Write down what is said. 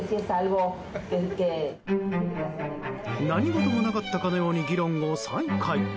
何事もなかったかように議論を再開。